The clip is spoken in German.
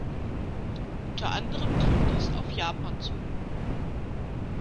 Unter anderem trifft dies auf Japan zu.